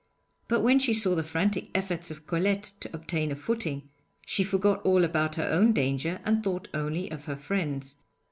But when she saw the frantic efforts of Colette to obtain a footing, she forgot all about her own danger and thought only of her friend's.